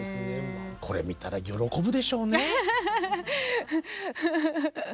これ見たら喜ぶでしょうね。